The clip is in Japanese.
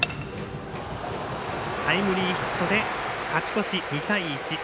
タイムリーヒットで勝ち越し２対１。